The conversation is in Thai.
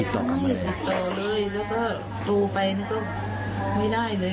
เป็นห่วงไหมครับพี่